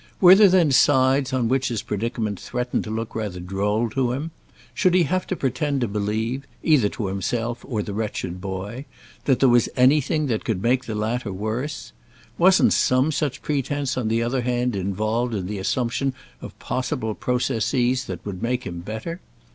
Were there then sides on which his predicament threatened to look rather droll to him? Should he have to pretend to believe—either to himself or the wretched boy—that there was anything that could make the latter worse? Wasn't some such pretence on the other hand involved in the assumption of possible processes that would make him better?